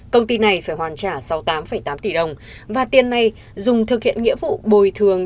công ty này phải hoàn trả sáu mươi tám tám tỷ đồng và tiền này dùng thực hiện nghĩa vụ bồi thường